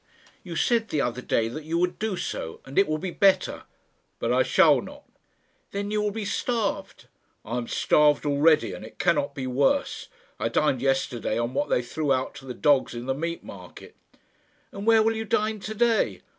"You said the other day that you would do so, and it will be better." "But I shall not." "Then you will be starved." "I am starved already, and it cannot be worse. I dined yesterday on what they threw out to the dogs in the meat market." "And where will you dine to day?"